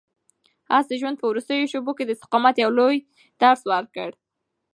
آس د ژوند په وروستیو شېبو کې د استقامت یو لوی درس ورکړ.